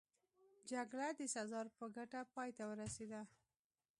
جګړه د سزار په ګټه پای ته ورسېده